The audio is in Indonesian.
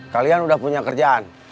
kalian udah punya kerjaan